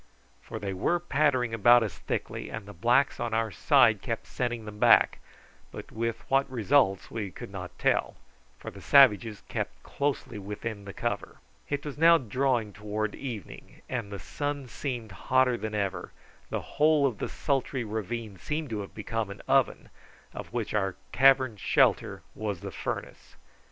For they were pattering about us thickly, and the blacks on our side kept sending them back, but with what result we could not tell, for the savages kept closely within the cover. It was now drawing towards evening, and the sun seemed hotter than ever; the whole of the sultry ravine seemed to have become an oven, of which our cavern shelter was the furnace.